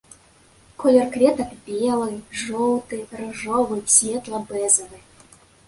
Колер кветак белы, жоўты, ружовы, светла-бэзавы.